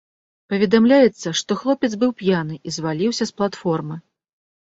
Паведамляецца, што хлопец быў п'яны і зваліўся з платформы.